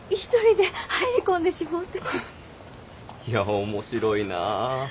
いや面白いなあ。